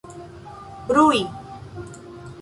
brui